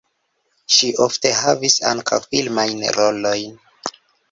Ŝi ofte havis ankaŭ filmajn rolojn.